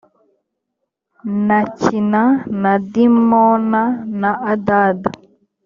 na kina na dimona na adada